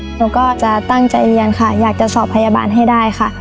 หนูก็จะตั้งใจเรียนค่ะอยากจะสอบพยาบาลให้ได้ค่ะ